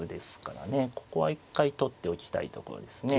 ここは一回取っておきたいところですね。